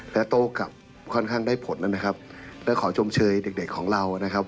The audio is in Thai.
และโต้กลับค่อนข้างได้ผลแล้วนะครับและขอชมเชยเด็กเด็กของเรานะครับ